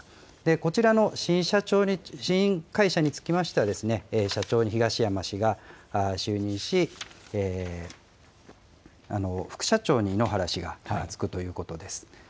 こちらの新会社につきましては、社長に東山氏が就任し、副社長に井ノ原氏が就くということです。